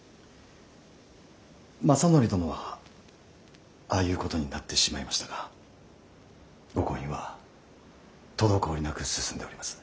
政範殿はああいうことになってしまいましたがご婚姻は滞りなく進んでおります。